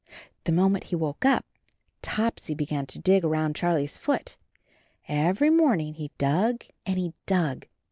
The moment he woke up, Topsy began to dig around Charlie's foot. Every morning he dug and he dug.